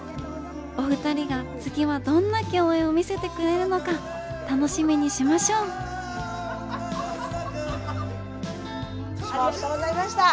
お二人が次はどんな共演を見せてくれるのか楽しみにしましょうありがとうございました！